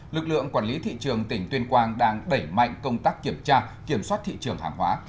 lực lượng quản lý thị trường tỉnh tuyên quang đang đẩy mạnh công tác kiểm tra kiểm soát thị trường hàng hóa